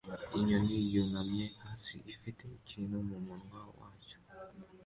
Inyoni yunamye hasi ifite ikintu mumunwa wacyo